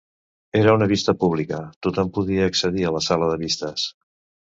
Era una vista pública, tothom podia accedir a la sala de vistes.